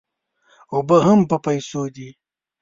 اوبه هم په پیسو دي.